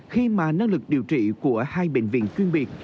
khi mà năng lực điều trị của hai bệnh viện chuyên biệt